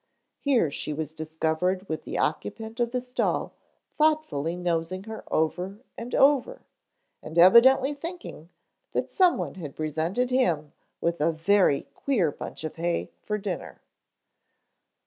Here she was discovered with the occupant of the stall thoughtfully nosing her over and over and evidently thinking that someone had presented him with a very queer bunch of hay for dinner.